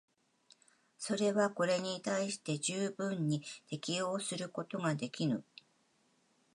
それはこれに対して十分に適応することができぬ。